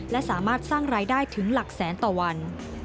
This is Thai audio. และสามารถสร้างรายได้ถึงหลักแสนต่อวัน